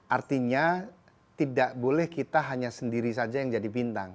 artinya tidak boleh kita hanya sendiri saja yang jadi bintang